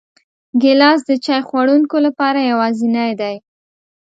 ګیلاس د چای خوړونکو لپاره یوازینی دی.